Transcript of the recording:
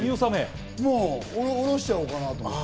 下しちゃおうかなぁと思って。